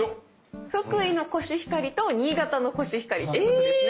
福井のコシヒカリと新潟のコシヒカリですね。